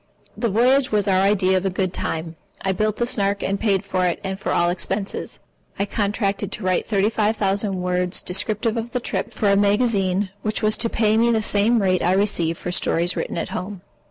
The voyage was our idea of a good time. I built the Snark and paid for it, and for all expenses. I contracted to write thirty five thousand words descriptive of the trip for a magazine which was to pay me the same rate I received for stories written at home.